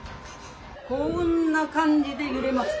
こんな感じで揺れました。